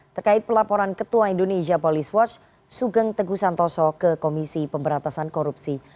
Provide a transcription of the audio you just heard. terkait pelaporan ketua indonesia police watch sugeng teguh santoso ke komisi pemberatasan korupsi